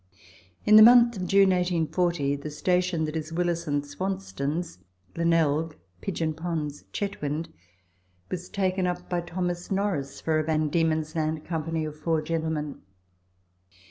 In the month of June 1840, the station that is Willis and Swans ton's Glenelg, Pigeon Ponds, Chctwynd was taken up by Thomas Norris for a V. D. Land company of four gentlemen.